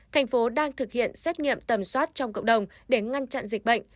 thành phố đang thực hiện xét nghiệm tầm soát trong cộng đồng để ngăn chặn dịch bệnh